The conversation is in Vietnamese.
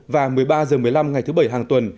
và một mươi ba h một mươi năm ngày thứ bảy hàng tuần